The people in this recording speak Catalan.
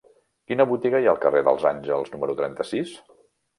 Quina botiga hi ha al carrer dels Àngels número trenta-sis?